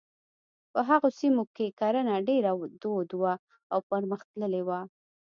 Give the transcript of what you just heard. په هغو سیمو کې کرنه ډېره دود وه او پرمختللې وه.